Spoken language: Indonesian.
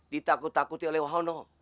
ditakut takuti oleh wahono